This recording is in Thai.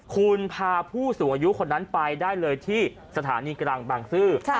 คุณพาผู้สูงอายุคนนั้นไปได้เลยที่สถานีกลางบางซื่อ